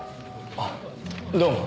あっどうも。